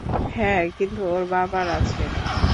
হ্যাঁ, কিন্তু ওর বাবার আছে।